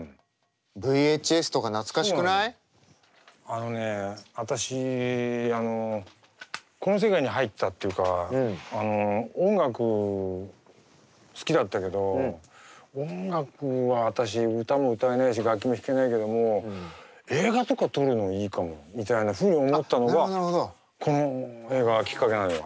あのね私この世界に入ったっていうか音楽好きだったけど音楽は私歌も歌えないし楽器も弾けないけども映画とか撮るのいいかもみたいなふうに思ったのはこの映画がきっかけなのよ。